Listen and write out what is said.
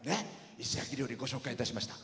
石焼き料理、ご紹介いたしました。